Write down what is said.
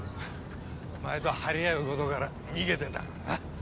お前と張り合うことから逃げてたからな。